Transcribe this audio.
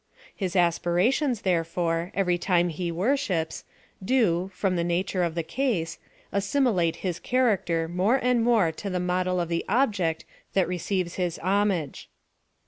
His aspiiations, tfierefore, every time he worships. do, from the nature of the case, assimilate his char acter more and more to the model of the object that receives his homage.